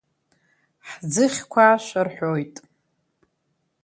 Ҳӡыхьқәа ашәа рҳәоит.